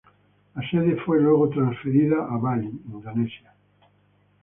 La sede fue luego transferida a Bali, Indonesia.